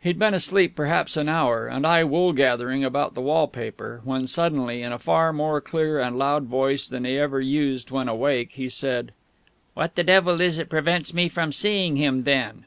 He'd been asleep perhaps an hour, and I woolgathering about the wallpaper, when suddenly, in a far more clear and loud voice than he ever used when awake, he said: _"What the devil is it prevents me seeing him, then?"